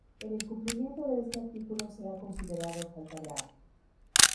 El incumplimiento de este artículo será considerado falta grave.